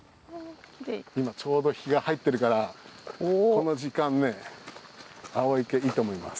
今ちょうど日が入ってるからこの時間ね青池いいと思います。